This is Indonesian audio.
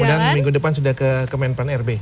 mudah mudahan minggu depan sudah ke kemenpan rb